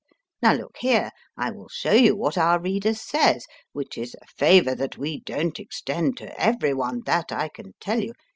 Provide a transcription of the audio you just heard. Now look here, I will show you what our reader says which is a favour that we don t extend to everyone, that I can tell you.